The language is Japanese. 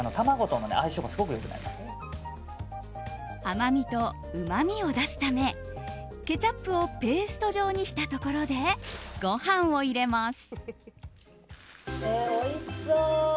甘みとうまみを出すためケチャップをペースト状にしたところでご飯を入れます。